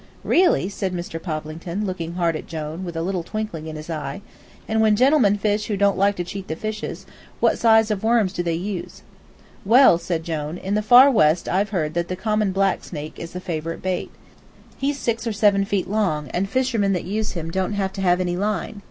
"Really?" said Mr. Poplington, looking hard at Jone, with a little twinkling in his eyes. "And when gentlemen fish who don't like to cheat the fishes, what size of worms do they use?" "Well," said Jone, "in the far West I've heard that the common black snake is the favorite bait. He's six or seven feet long, and fishermen that use him don't have to have any line.